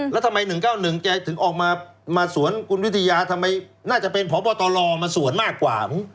แล้วทำไม๑๙๑แกถึงออกมาสวนคุณวิทยาทำไมน่าจะเป็นพบตรมาสวนมากกว่ามึง